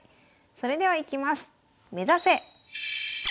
それではいきます。